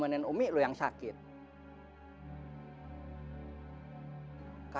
kenapa dapat kuat gelap gelappa